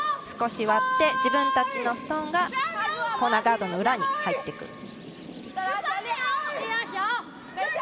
少し割って自分たちのストーンがコーナーガードの裏に入っていく。